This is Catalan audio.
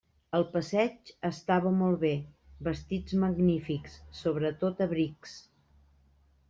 El passeig estava molt bé; vestits magnífics, sobretot abrics.